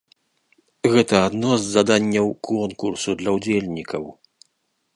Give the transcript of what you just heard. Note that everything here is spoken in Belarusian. Гэта адно з заданняў конкурсу для ўдзельнікаў.